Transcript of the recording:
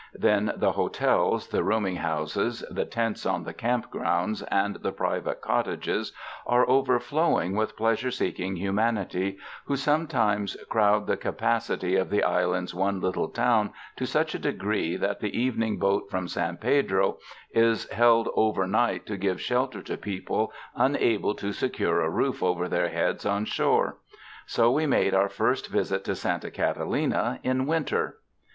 Then the hotels, the room ing houses, the tents on the camp grounds and the private cottages are overflowing with pleasure seeking humanity, who sometimes crowd the capac ity of the island's one little town to such a degree that the evening boat from San Pedro is held over night to give shelter to people unable to secure a roof over their heads on shore. So we made our first visit to Santa Catalina in winter.